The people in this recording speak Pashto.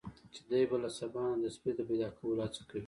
چې دی به له سبا نه د سپي د پیدا کولو هڅه کوي.